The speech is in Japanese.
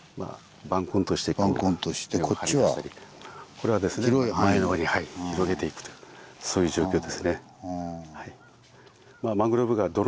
これは前の方に広げていくというそういう状況ですね。